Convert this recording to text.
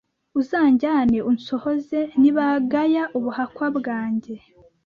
uzanjyane unsohoze, nibagaya ubuhakwa bwanjye